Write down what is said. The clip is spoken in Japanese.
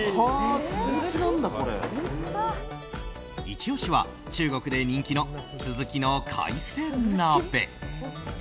イチ押しは中国で人気のスズキの海鮮鍋。